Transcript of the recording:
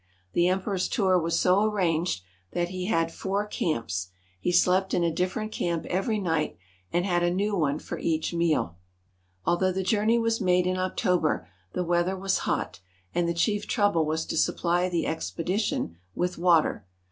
The Emperor's tour was so arranged that he had four camps. He slept in a different camp every night and had a new one for each meal. Although the journey was made in October, the weather was hot, and the chief trouble was to supply the expedi tion with water.